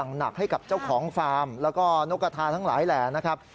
หนักให้กับเจ้าของฟาร์มแล้วก็นกกระทาทั้งหลายแหล่นะครับ